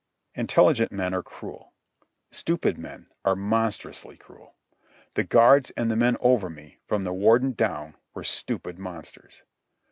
Intelligent men are cruel. Stupid men are monstrously cruel. The guards and the men over me, from the Warden down, were stupid monsters.